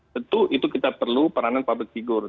tentu itu kita perlu peranan public figure